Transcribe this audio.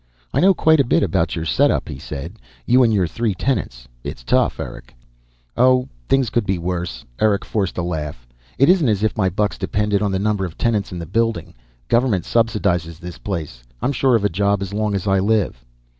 "I know quite a bit about your setup," he said. "You and your three tenants. It's tough, Eric." "Oh, things could be worse." Eric forced a laugh. "It isn't as if my bucks depended on the number of tenants in the building. Government subsidizes this place. I'm sure of a job as long as I live."